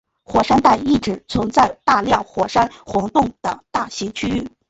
火山带意指存在大量火山活动的大型区域。